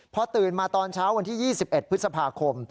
พอตื่นมาตอนเช้าวันที่๒๑พฤษภาคม